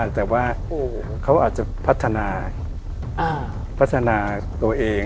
แต่ว่าเขาอาจจะพัฒนาพัฒนาตัวเอง